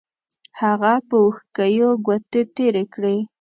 هغه په وښکیو ګوتې تېرې کړې.